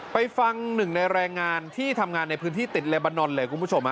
ไปฟัง๑ในแรงงานที่ทำงานในพื้นที่ติดเรบานนท์เลยครับคุณผู้ชม